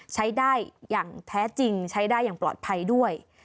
ใช้ได้อย่างแท้จริงใช้ได้อย่างปลอดภัยด้วย